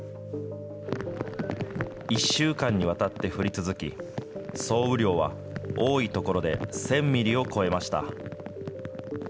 １週間にわたって降り続き、総雨量は多い所で１０００ミリを超えました。